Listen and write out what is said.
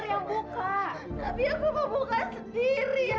saya souvent sembarangan ketidaktan mother tahu karena